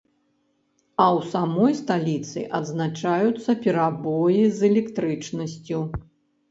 А ў самой сталіцы адзначаюцца перабоі з электрычнасцю.